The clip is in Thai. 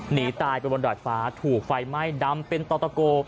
หนีตายไปบนดอดฟ้าถูกไฟไหม้ดำเป็นต่อตะโก